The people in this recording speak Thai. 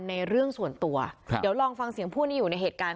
เรื่องส่วนตัวครับเดี๋ยวลองฟังเสียงผู้ที่อยู่ในเหตุการณ์